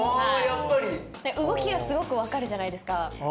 動きがすごく分かるじゃないですか。